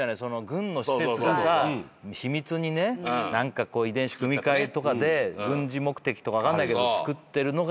軍の施設がさ秘密にね遺伝子組み換えとかで軍事目的とか分かんないけど作ってるのが流れ着くとか。